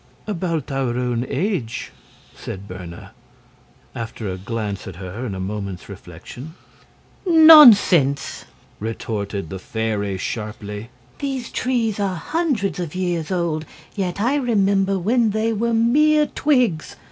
"About our own age," said Berna, after a glance at her and a moment's reflection. "Nonsense!" retorted the fairy, sharply. "These trees are hundreds of years old, yet I remember when they were mere twigs.